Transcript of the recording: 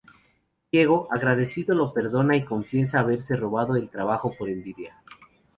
Diego, agradecido, lo perdona y confiesa haberse robado el trabajo por envidia.